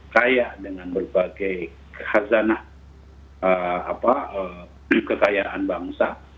kaya dengan berbagai hazanah kekayaan bangsa